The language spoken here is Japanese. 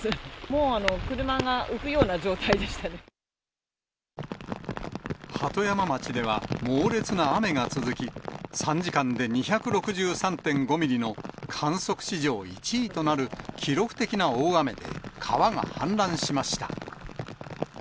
もう、車が浮くような状態でした鳩山町では猛烈な雨が続き、３時間で２６３．５ミリの観測史上１位となる記録的な大雨で、川が氾濫しました。